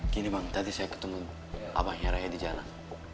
gini bang tadi saya ketemu abangnya raya di jalan